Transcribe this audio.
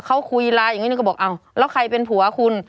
เขาคุยไลน์อีกนิดนึงก็บอกอ้าวแล้วใครเป็นผัวคุณ